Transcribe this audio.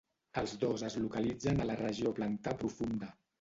Els dos es localitzen a la regió plantar profunda.